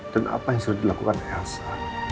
dan apa yang sudah dilakukan elsa